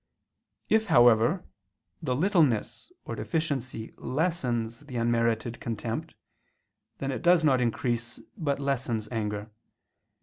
If, however, the littleness or deficiency lessens the unmerited contempt, then it does not increase but lessens anger.